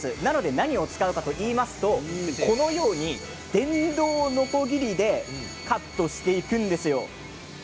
何を使うかといいますとこのように電動のこぎりでカットしていくんですよ。